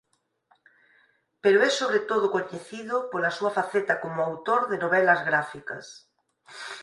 Pero é sobre todo coñecido pola súa faceta como autor de novelas gráficas.